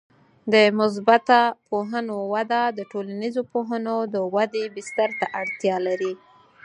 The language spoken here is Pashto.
د مثبته پوهنو وده د ټولنیزو پوهنو د ودې بستر ته اړتیا لري.